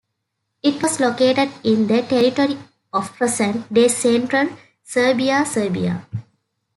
It was located in the territory of present-day Central Serbia, Serbia.